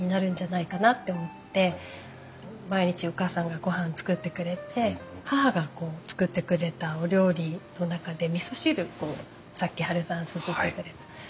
毎日お母さんがごはん作ってくれて母が作ってくれたお料理の中でみそ汁さっきハルさんすすってくれた。